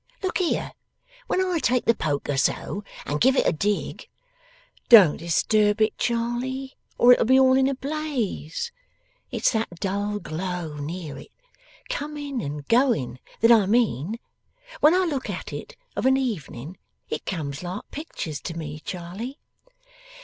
Look here! When I take the poker so and give it a dig ' 'Don't disturb it, Charley, or it'll be all in a blaze. It's that dull glow near it, coming and going, that I mean. When I look at it of an evening, it comes like pictures to me, Charley.